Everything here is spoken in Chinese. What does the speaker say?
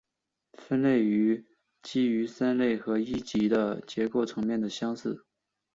分类基于三级的和一级的结构层面的相似性。